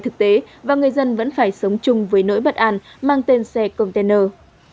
thực tế và người dân vẫn phải sống chung với nỗi bất an mang tên xe container